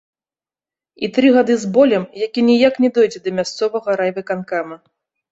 І тры гады з болем, які ніяк не дойдзе да мясцовага райвыканкама.